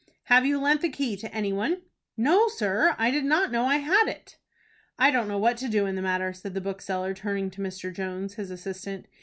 "Have you lent the key to any one?" "No, sir. I did not know I had it." "I don't know what to do in the matter," said the bookseller, turning to Mr. Jones, his assistant.